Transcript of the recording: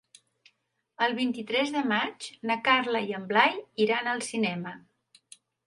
El vint-i-tres de maig na Carla i en Blai iran al cinema.